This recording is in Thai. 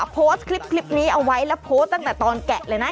โพสต์คลิปนี้เอาไว้แล้วโพสต์ตั้งแต่ตอนแกะเลยนะ